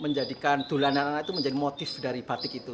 menjadikan dulana dulana itu menjadi motif dari batik itu